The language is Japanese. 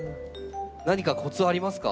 何かコツはありますか？